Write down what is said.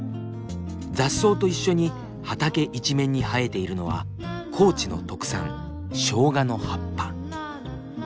雑草と一緒に畑一面に生えているのは高知の特産しょうがの葉っぱ。